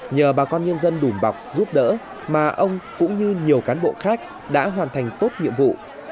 nhờ bà con nhân dân đùm bọc giúp đỡ mà ông cũng như nhiều cán bộ khác đã hoàn thành tốt nhiệm vụ